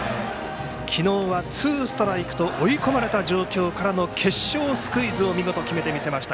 昨日はツーストライクと追い込まれた状況からの決勝スクイズを見事、決めてみせました。